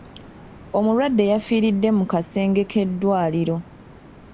Omulwade yafiiridde mu kasenge k'eddwaliro.